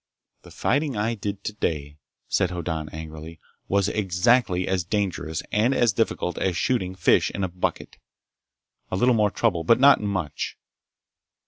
"The fighting I did today," said Hoddan angrily, "was exactly as dangerous and as difficult as shooting fish in a bucket. A little more trouble, but not much."